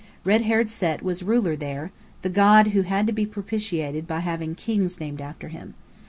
Red haired Set was ruler there, the god who had to be propitiated by having kings named after him.